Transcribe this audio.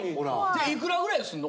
いくらぐらいすんの？